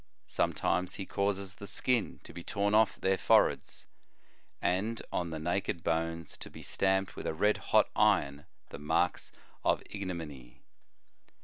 Some times he causes the skin to be torn off their foreheads, and on the naked bones to be stamped with a red hot iron the marks of ignominy.